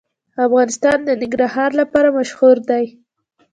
افغانستان د ننګرهار لپاره مشهور دی.